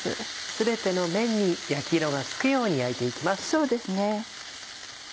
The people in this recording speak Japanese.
全ての面に焼き色がつくように焼いていきます。